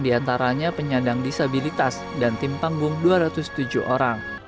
di antaranya penyandang disabilitas dan tim panggung dua ratus tujuh orang